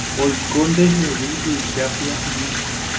Oiko ndehegui mbyja pyahumi